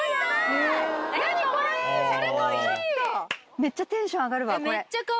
めっちゃテンション上がるわ。